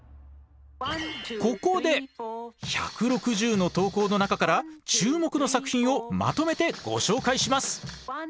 ここで１６０の投稿の中から注目の作品をまとめてご紹介します。